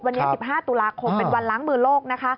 วันนี้๑๕ตุลาคมเป็นวันล้างมือโลกนะคะ